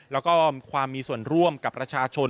แล้วก็ความมีส่วนร่วมกับประชาชน